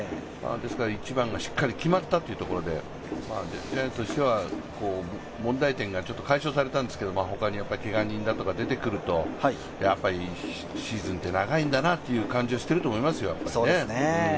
ですから１番がしっかり決まったというところでジャイアンツとしては問題点が解消されたんですけど、他にけが人とか出てくると、シーズンって長いんだなという感じはしてると思いますよ。